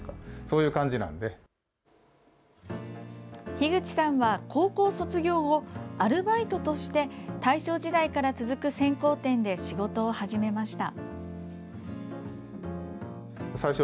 樋口さんは高校卒業後アルバイトとして大正時代から続く線香店で仕事を始めました。